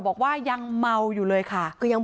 ไปโบกรถจักรยานยนต์ของชาวอายุขวบกว่าเองนะคะ